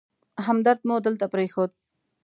همدرد مو دلته پرېښود.